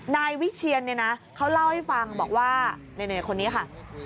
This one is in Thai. นายวิเชียนนะเราก็เล่าให้ฟังคนนี้ค่ะ